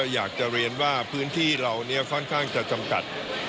อยากจะเรียนว่าพื้นที่เหล่านี้ค่อนข้างจะจำกัด